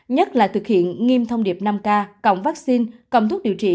nhất là thực hiện nghiêm thông điệp năm k cộng vaccine cầm thuốc điều trị